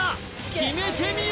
決めてみよ！